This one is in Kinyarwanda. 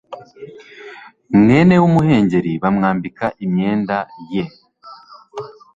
mwenda w umuhengeri bamwambika imyenda ye